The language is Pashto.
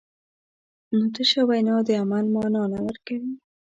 نو تشه وینا د عمل مانا نه ورکوي.